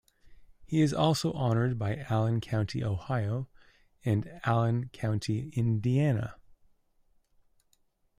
He is also honored by Allen County, Ohio, and Allen County, Indiana.